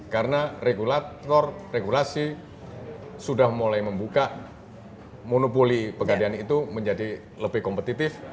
karena regulator regulasi sudah mulai membuka monopoli pegadean itu menjadi lebih kompetitif